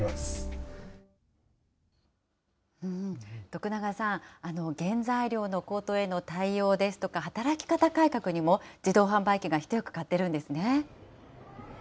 徳永さん、原材料の高騰への対応ですとか、働き方改革にも自動販売機が一役買っているんですね。